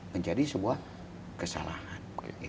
menjadi sebuah kesalahan